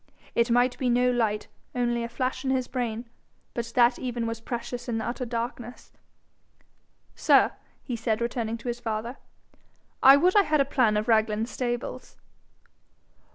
It might be no light only a flash in his brain. But that even was precious in the utter darkness. 'Sir,' he said, turning to his father, 'I would I had a plan of Raglan stables.'